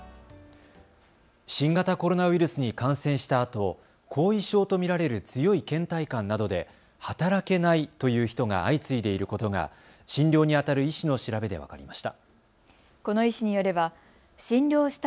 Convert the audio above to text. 新型コロナウイルスに感染したあと後遺症と見られる強いけん怠感などで働けないという人が相次いでいることが診療にあたる医師の調べで分かりました。